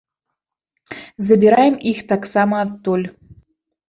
Забіраем іх таксама адтуль.